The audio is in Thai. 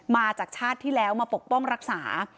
มาจากชาติที่แล้วมาปกป้องรักษา